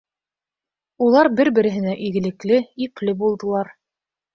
Улар бер-береһенә игелекле, ипле булдылар.